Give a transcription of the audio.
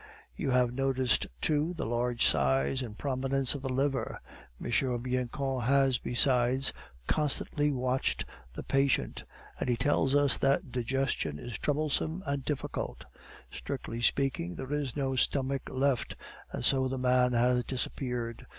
You have noticed, too, the large size and prominence of the liver. M. Bianchon has, besides, constantly watched the patient, and he tells us that digestion is troublesome and difficult. Strictly speaking, there is no stomach left, and so the man has disappeared.